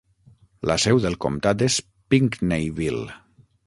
La seu del comtat és Pinckneyville.